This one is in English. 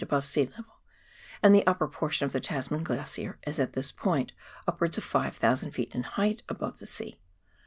above sea level, and the upper portion of the Tasman Glacier is at this point upwards of 5,000 ft. in height above the sea.